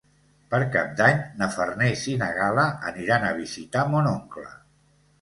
Per Cap d'Any na Farners i na Gal·la aniran a visitar mon oncle.